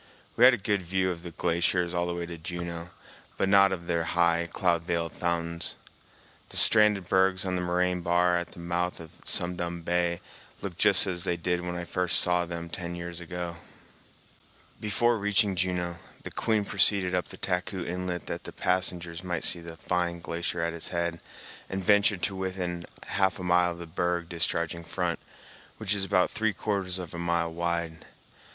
We had a good view of the glaciers all the way to Juneau, but not of their high, cloud veiled fountains. The stranded bergs on the moraine bar at the mouth of Sum Dum Bay looked just as they did when I first saw them ten years ago. Before reaching Juneau, the Queen proceeded up the Taku Inlet that the passengers might see the fine glacier at its head, and ventured to within half a mile of the berg discharging front, which is about three quarters of a mile wide.